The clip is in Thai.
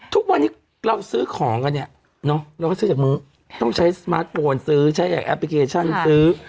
ทุกวันนี้เราซื้อของกันเนี่ยคุณต้องใช้สมาร์ทโฟนซื้อใช้แอปพลิเคชันซื้อ